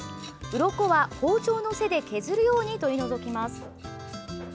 ウロコは包丁の背で削るように取り除きます。